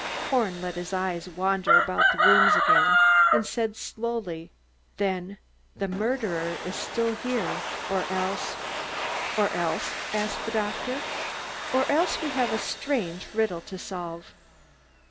Horn let his eyes wander about the rooms again, and said slowly: "Then the murderer is still here or else " "Or else?" asked the doctor. "Or else we have a strange riddle to solve."